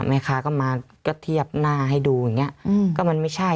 แม่ค้าก็มาก็เทียบหน้าให้ดูอย่างเงี้อืมก็มันไม่ใช่